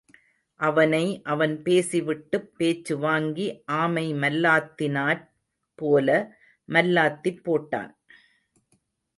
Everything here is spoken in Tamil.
அவனை அவன் பேசிவிட்டுப் பேச்சு வாங்கி ஆமை மல்லாத்தினாற் போல மல்லாத்திப் போட்டான்.